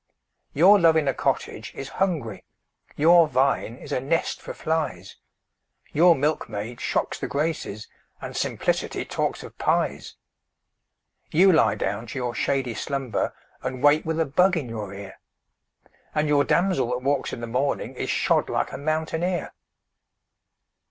Your love in a cottage is hungry, Your vine is a nest for flies Your milkmaid shocks the Graces, And simplicity talks of pies! You lie down to your shady slumber And wake with a bug in your ear, And your damsel that walks in the morning Is shod like a mountaineer.